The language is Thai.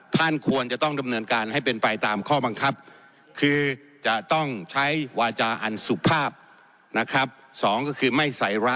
ท่านควรจะต้องดำเนินการให้เป็นไป